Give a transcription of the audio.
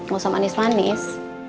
gak usah manis manis